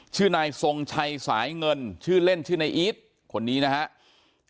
ชื่อนายทรงชัยสายเงินชื่อเล่นชื่อนายอีทคนนี้นะครับ